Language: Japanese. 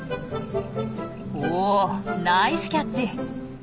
おナイスキャッチ！